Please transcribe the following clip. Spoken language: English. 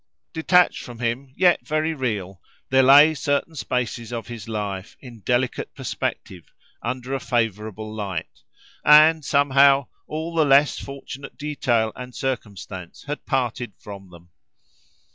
Detached from him, yet very real, there lay certain spaces of his life, in delicate perspective, under a favourable light; and, somehow, all the less fortunate detail and circumstance had parted from them.